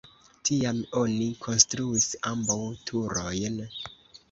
Tiam oni konstruis ambaŭ turojn.